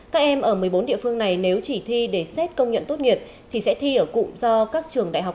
các em ở một mươi bốn địa phương này nếu chỉ thi để xét công nhận tốt nghiệp thì sẽ thi ở cụm do các trường đại học